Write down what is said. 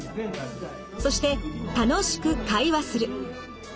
そして楽しく会話する。